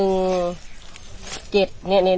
๑๗เนี่ย